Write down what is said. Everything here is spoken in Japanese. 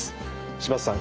柴田さん